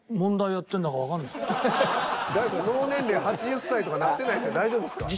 脳年齢８０歳とかなってないですか大丈夫ですか？